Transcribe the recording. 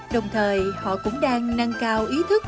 đồng thời họ cũng đang năng cao ý thức